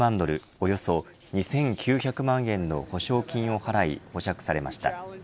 およそ２９００万円の保証金を払い、保釈されました。